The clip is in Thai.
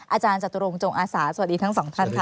อาจารย์จตุรงจงอาสาสวัสดีทั้งสองท่านค่ะ